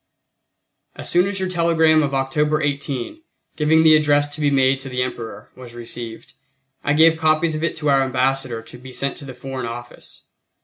As soon as your telegram of October 18, giving the address to be made to the Emperor, was received, I gave copies of it to our Ambassador to be sent to the Foreign Office.